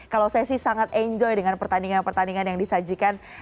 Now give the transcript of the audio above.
kalau saya sih sangat enjoy dengan pertandingan pertandingan yang disajikan